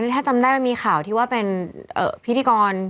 พวกก่อนถ้าจำได้มีข่าวที่ว่าเป็นพี่ฝีธีกร